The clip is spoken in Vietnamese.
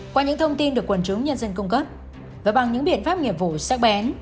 qua những thông tin được quần chúng nhân dân cung cấp và bằng những biện pháp nghiệp vụ sắc bén